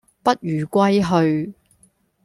不如歸去